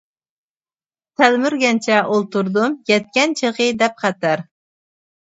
تەلمۈرگەنچە ئولتۇردۇم، يەتكەن چېغى دەپ خەتەر.